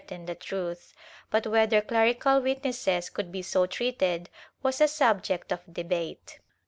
VII] NO EXEMPTIONS 13 the truth; but whether clerical witnesses could be so treated was a subject of debate.